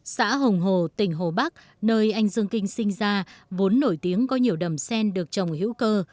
xã hồng hồ tỉnh hồ bắc nơi anh dương kinh sinh ra vốn nổi tiếng có nhiều đầm sen được trồng hữu cơ